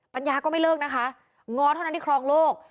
ปัญญาก็ไม่เลิกนะคะง้อเท่านั้นที่ครองโลก